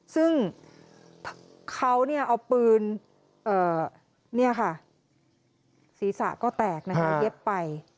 ซึ่งเขาเอาปืนศีรษะก็แตกนะคะเย็บไป